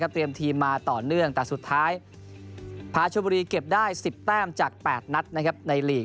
เตรียมทีมมาต่อเนื่องแต่สุดท้ายพาชมบุรีเก็บได้๑๐แต้มจาก๘นัดในลีก